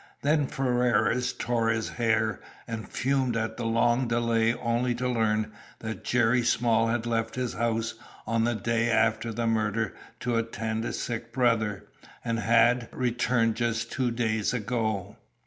Then Ferrars tore his hair and fumed at the long delay only to learn that Jerry Small had left his house on the day after the murder to attend a sick brother, and had returned just two days ago.